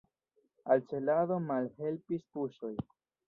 Al celado malhelpis puŝoj.